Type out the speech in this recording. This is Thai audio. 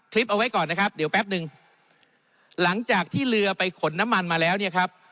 คลิปเอาไว้ก่อนนะครับเดี๋ยวแป๊บนึงหลังจากที่เรือไปขนน้ำมันมาแล้วเนี่ยครับ